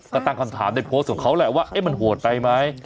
ก็ตั้งคำถามกับเขาแหละว่าให้มันโหดไปไหม